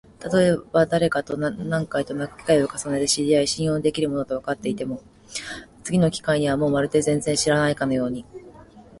たとえばだれかと何回となく機会を重ねて知り合い、信用のできる者だとわかっても、次の機会にはもうまるで全然知らないかのように、